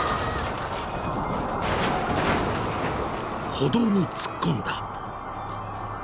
［歩道に突っ込んだ］